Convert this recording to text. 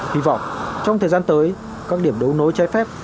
hy vọng trong thời gian tới các điểm đấu nối trái phép